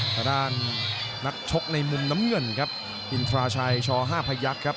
ทางด้านนักชกในมุมน้ำเงินครับอินทราชัยช๕พยักษ์ครับ